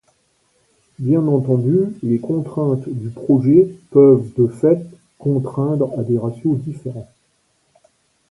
Bien entendu les contraintes du projet peuvent de fait contraindre à des ratios différents.